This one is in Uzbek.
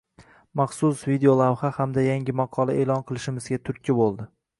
maxsus videolavha hamda yangi maqola e’lon qilishimizga turtki bo‘ldi.